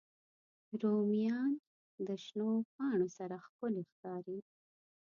رومیان د شنو پاڼو سره ښکلي ښکاري